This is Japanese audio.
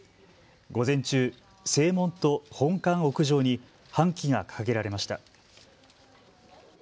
午前中、正門と本館屋上に半旗が掲げられました。